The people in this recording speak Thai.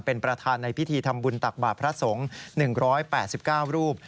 เป็นประธานในพิธีทำบุญตักบาทพระสงฆ์๑๘๙รูป